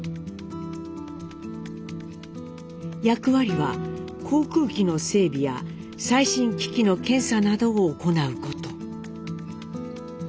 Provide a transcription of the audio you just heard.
役割は航空機の整備や最新機器の検査などを行うこと。